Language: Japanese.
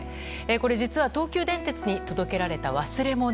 これ実は東急電鉄に届けられた忘れ物。